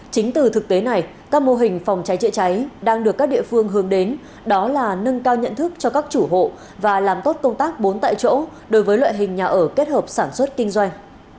chính từ thực tế này các mô hình phòng cháy chữa cháy đang được các địa phương hướng đến đó là nâng cao nhận thức cho các chủ hộ và làm tốt công tác bốn tại chỗ đối với loại hình nhà ở kết hợp sản xuất kinh doanh